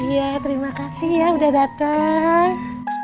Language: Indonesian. ya terima kasih ya udah datang